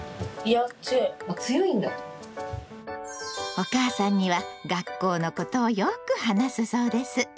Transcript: お母さんには学校のことをよく話すそうです。